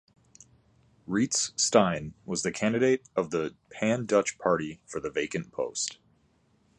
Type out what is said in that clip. Reitz, Steyn was the candidate of the pan-Dutch party for the vacant post.